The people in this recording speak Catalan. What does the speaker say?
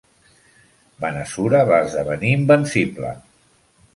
Banasura va esdevenir invencible.